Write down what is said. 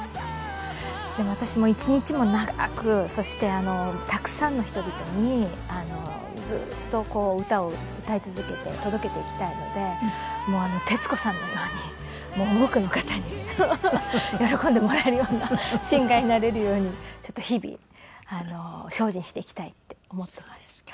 でも私も一日も長くそしてたくさんの人々にずっと歌を歌い続けて届けていきたいので徹子さんのように多くの方に喜んでもらえるようなシンガーになれるように日々精進していきたいって思っています。